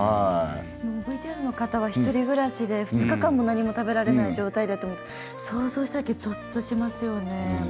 ＶＴＲの方は一人暮らしで２日間も何も食べられない状態だと思うと想像しただけでゾッとしますよね。